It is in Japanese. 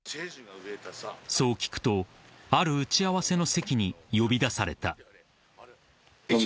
［そう聞くとある打ち合わせの席に呼び出された］